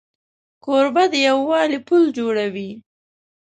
کوربه د یووالي پل جوړوي.